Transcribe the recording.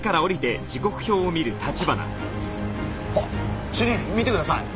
あっ主任見てください。